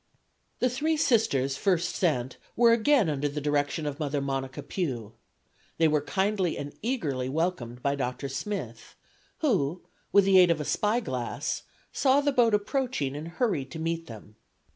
The three Sisters first sent were again under the direction of Mother Monica Pue. They were kindly and eagerly welcomed by Dr. Smith, who, with the aid of a spy glass, saw the boat approaching and hurried to meet them.